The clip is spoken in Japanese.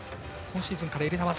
今シーズンから入れた技。